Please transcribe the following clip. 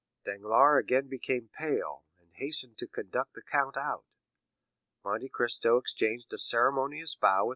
Danglars again became pale, and hastened to conduct the count out. Monte Cristo exchanged a ceremonious bow with M.